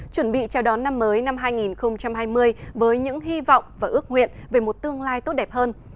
chuẩn bị chào đón năm mới năm hai nghìn hai mươi với những hy vọng và ước nguyện về một tương lai tốt đẹp hơn